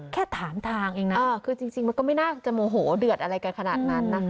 แค่ถามทางเองนะคือจริงมันก็ไม่น่าจะโมโหเดือดอะไรกันขนาดนั้นนะคะ